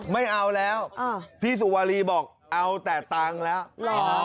ไม่เอาแล้วพี่สุวารีบอกเอาแต่ตังค์แล้วเหรอ